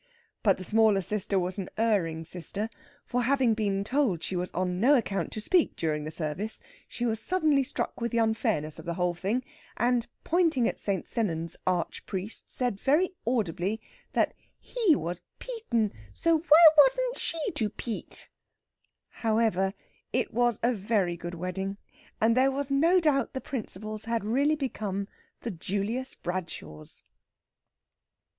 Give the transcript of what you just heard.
But the smaller sister was an erring sister, for having been told she was on no account to speak during the service, she was suddenly struck with the unfairness of the whole thing, and, pointing at St. Sennans' arch priest, said very audibly that he was "peatin'," so why wasn't she to "peat"? However, it was a very good wedding, and there was no doubt the principals had really become the Julius Bradshaws.